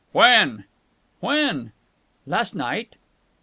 "When?" "When?" "Last night."